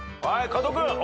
加藤君。